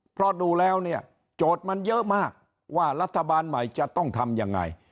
เพราะดูแล้วเนี่ยโจทย์มันเยอะมากว่ารัฐบาลใหม่จะต้องทำยังไง